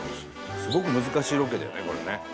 すごく難しいロケだよねこれね。